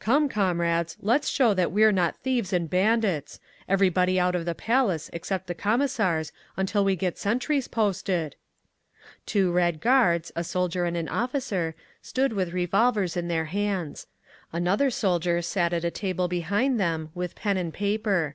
"Come, comrades, let's show that we're not thieves and bandits. Everybody out of the Palace except the Commissars, until we get sentries posted." Two Red Guards, a soldier and an officer, stood with revolvers in their hands. Another soldier sat at a table behind them, with pen and paper.